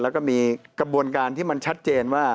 แล้วก็มีกระบวนการที่มันชัดเจนว่า